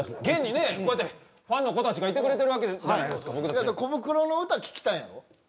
現にねこうやってファンの子たちがいてくれてるわけじゃないですかコブクロの歌聴きたいんやろ？